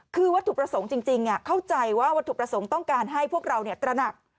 คือวัตถุประสงค์จริงเข้าใจว่าวัตถุประสงค์ต้องการให้พวกเราตระหนัก